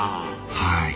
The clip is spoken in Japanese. はい。